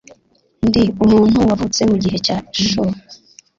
Ndi umuntu wavutse mugihe cya Showa.